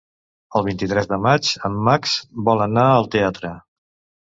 El vint-i-tres de maig en Max vol anar al teatre.